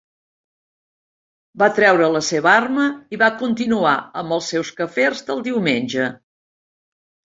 Va treure la seva arma i va continuar amb els seus quefers del diumenge.